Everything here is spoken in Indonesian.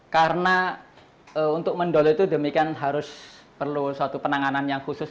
karena untuk mendownload itu demikian harus perlu suatu penanganan yang khusus